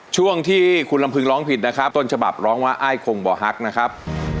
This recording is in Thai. ช่วงที่คุณลำพึงร้องผิดนะครับต้นฉบับร้องว่าอ้ายคงบ่อฮักนะครับ